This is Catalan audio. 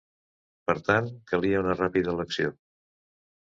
Per tant, calia una ràpida elecció.